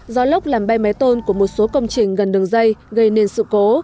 gió lốc làm bay máy tôn của một số công trình gần đường dây gây nên sự cố